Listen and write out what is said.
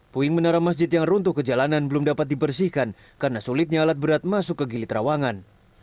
puing menara masjid yang runtuh ke jalanan belum dapat dibersihkan karena sulitnya alat berat masuk ke gili trawangan